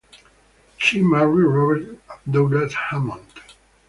She married Robert Douglas Hammond.